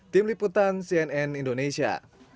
tim liputan cnn indonesia